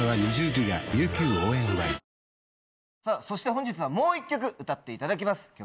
そして本日はもう一曲歌っていただきます。